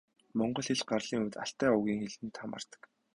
Монгол хэл гарлын хувьд Алтай овгийн хэлэнд хамаардаг.